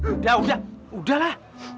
udah udah udah lah